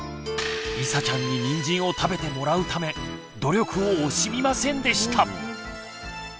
りさちゃんににんじんを食べてもらうため努力を惜しみませんでした。